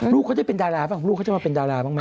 ลูกเขาจะเป็นดาราบ้างลูกเขาจะมาเป็นดาราบ้างไหม